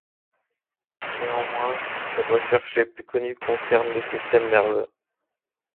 Néanmoins, ses recherches les plus connues concernent le système nerveux.